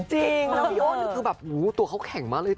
จริงค่ะพี่โอนคือแบบโหตัวเขาแข็งมากเลยเธอ